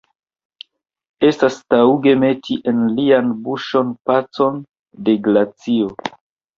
Estas taŭge meti en lian buŝon pecon de glacio.